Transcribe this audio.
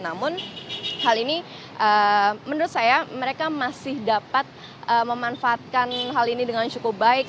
namun hal ini menurut saya mereka masih dapat memanfaatkan hal ini dengan cukup baik